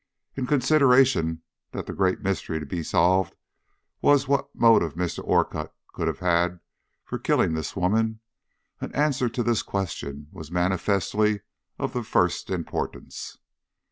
In consideration that the great mystery to be solved was what motive Mr. Orcutt could have had for killing this woman, an answer to this question was manifestly of the first importance.